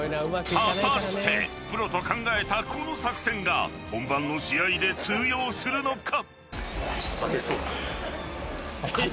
［果たしてプロと考えたこの作戦が本番の試合で通用するのか？］